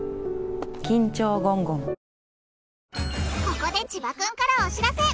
ここで千葉君からお知らせ。